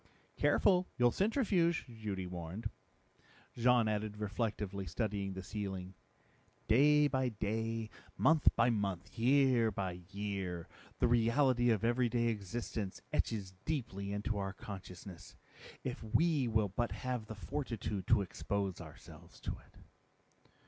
"Careful, you'll centrifuge," Judy warned. Jean added reflectively, studying the ceiling, "Day by day, month by month, year by year, the reality of everyday existence etches deeply into our consciousness, if we will but have the fortitude to expose ourselves to it."